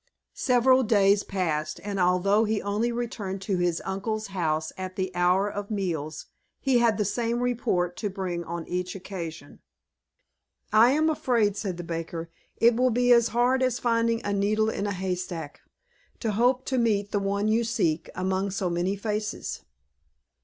Several days passed, and, although he only returned to his uncle's house at the hour of meals, he had the same report to bring on each occasion. "I am afraid," said the baker, "it will be as hard as finding a needle in a hay stack, to hope to meet the one you seek, among so many faces."